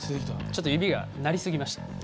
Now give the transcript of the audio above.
ちょっと指が鳴り過ぎました。